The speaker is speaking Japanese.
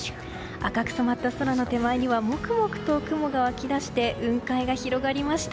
赤く染まった空の手前にはもくもくと雲が湧き出して雲海が広がりました。